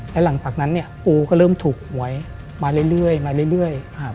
แล้วหลังจากนั้นปลูเริ่มถูกหวยมาเรื่อย